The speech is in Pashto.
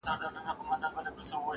د لرګیو یې پر وکړله وارونه،